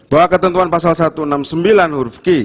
bahwa ketentuan pasal satu ratus enam puluh sembilan huruf q